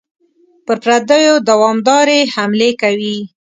پر پردیو دوامدارې حملې کوي.